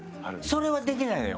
それはできないのよ